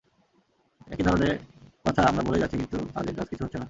একই ধরনে কথা আমরা বলেই যাচ্ছি কিন্তু কাজের কাজ কিছু হচ্ছে না।